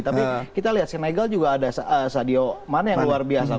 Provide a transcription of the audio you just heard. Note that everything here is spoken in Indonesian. tapi kita lihat sinegal juga ada sadio mana yang luar biasa